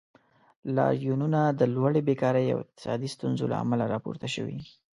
لاریونونه د لوړې بیکارۍ او اقتصادي ستونزو له امله راپورته شوي.